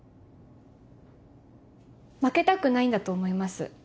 負けたくないんだと思います